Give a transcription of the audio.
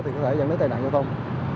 thì có thể dẫn đến tai nạn giao thông